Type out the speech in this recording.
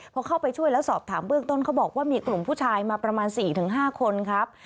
พอเข้าไปช่วยแล้วสอบถามเบื้องต้นเขาบอกว่ามีกลุ่มผู้ชายมาประมาณ๔๕คนครับ